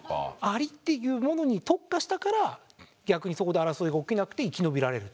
アリっていうものに特化したから逆にそこで争いが起きなくて生き延びられる。